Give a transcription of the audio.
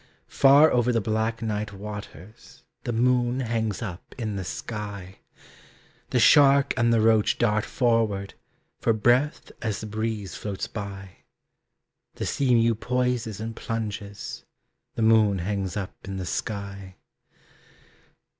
Far over the black night waters The moon hangs up in the sky. The shark and the roach dart forward For breath as the breeze floats by. The sea mew poises and plunges, The moon hangs up in the sky.